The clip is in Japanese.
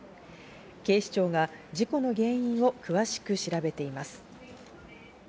警視庁が事故の原因を詳しく調べています。